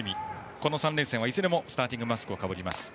この３連戦はいずれもスターティングマスクをかぶります。